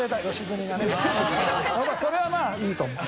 それはまあいいと思う。